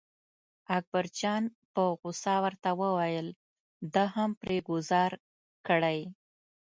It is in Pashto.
اکبرجان په غوسه ورته وویل ده هم پرې ګوزار کړی.